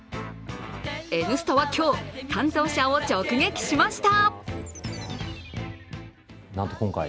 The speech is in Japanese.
「Ｎスタ」は今日、担当者を直撃しました。